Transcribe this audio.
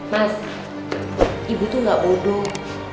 mas ibu tuh gak bodoh